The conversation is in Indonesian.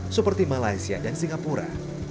seperti malaysia dan singapura